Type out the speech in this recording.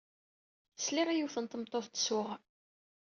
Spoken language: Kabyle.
Sliɣ i yiwet n tmeṭṭut tsuɣ.